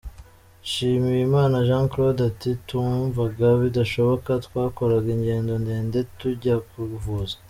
Nshimiyimana Jean Claude ati “Twumvaga bidashoboka, twakoraga ingendo ndende tujya kwivuza.